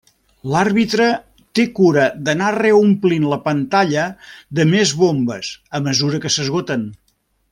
L'àrbitre té cura d'anar reomplint la pantalla de més bombes a mesura que s'esgoten.